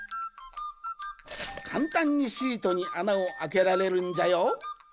かんたんにシートにあなをあけられるんじゃよ。